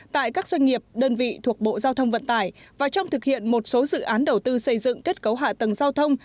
tại các doanh nghiệp đơn vị thuộc bộ giao thông vận tải và trong thực hiện một số dự án đầu tư xây dựng kết cấu hạ tầng giao thông